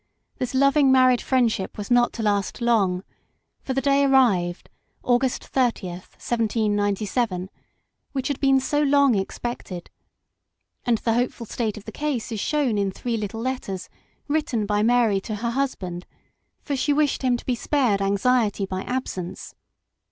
this loving married friendship was not to last long, for the day arrived, August 30, 1797, which had been long expected ; and the hopeful state of the case is shown in three little letters written by Mary to her husband, for she wished him to be spared anxiety by absence.